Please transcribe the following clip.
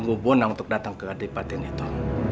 gak terdapatin itu